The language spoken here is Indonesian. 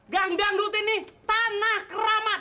gang dangdutin nih tanah keramat